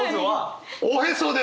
おへそです。